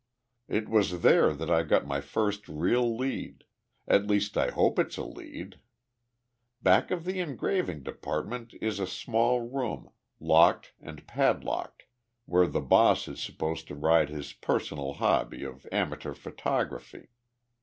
"It was there that I got my first real lead at least I hope it's a lead. Back of the engraving department is a small room, locked and padlocked, where the boss is supposed to ride his personal hobby of amateur photography.